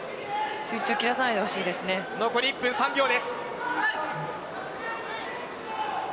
残り１分３秒です。